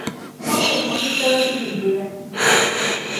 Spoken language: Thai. ข้อมูลคอมพิวเตอร์ที่บิดเบือน